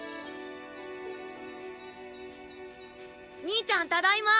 兄ちゃんただいま。